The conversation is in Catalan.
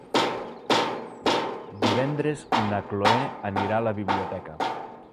Divendres na Cloè anirà a la biblioteca.